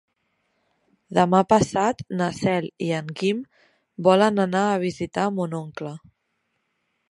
Demà passat na Cel i en Guim volen anar a visitar mon oncle.